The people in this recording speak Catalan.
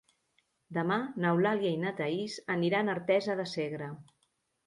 Demà n'Eulàlia i na Thaís aniran a Artesa de Segre.